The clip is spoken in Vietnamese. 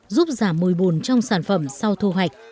giúp giảm mùi bùn trong sản phẩm sau thu hoạch